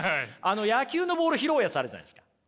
野球のボール拾うやつあるじゃないですか。